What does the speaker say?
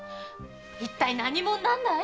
一体何者なんだい？